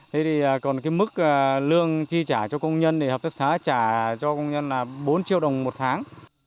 thế thì còn cái mức lương chi trả cho công nhân thì hợp tác xá trả cho công nhân là bốn triệu đồng một tháng